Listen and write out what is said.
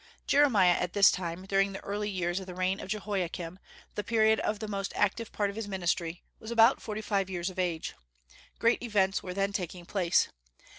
Jeremiah at this time, during the early years of the reign of Jehoiakim, the period of the most active part of his ministry, was about forty five years of age. Great events were then taking place.